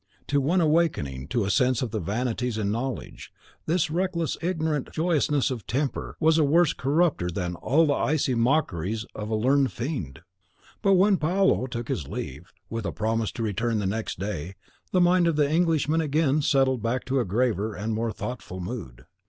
To one awaking to a sense of the vanities in knowledge, this reckless ignorant joyousness of temper was a worse corrupter than all the icy mockeries of a learned Fiend. But when Paolo took his leave, with a promise to return the next day, the mind of the Englishman again settled back to a graver and more thoughtful mood.